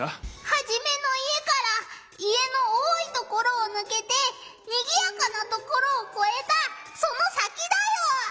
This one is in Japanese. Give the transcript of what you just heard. ハジメの家から家の多いところをぬけてにぎやかなところをこえたその先だよ！